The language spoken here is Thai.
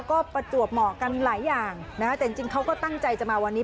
ก็ประจวบเหมาะกันหลายอย่างนะฮะแต่จริงเขาก็ตั้งใจจะมาวันนี้